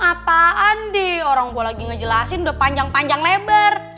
apaan deh orang gua lagi ngejelasin udah panjang panjang lebar